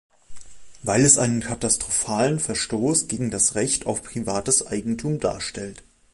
Weil es einen katastrophalen Verstoß gegen das Recht auf privates Eigentum darstellt.